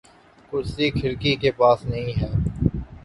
کرسی کھڑکی کے پاس نہیں ہے